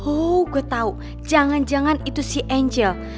oh gue tau jangan jangan itu si angel